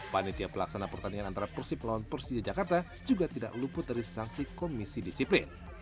panitia pelaksana pertandingan antara persib melawan persija jakarta juga tidak luput dari sanksi komisi disiplin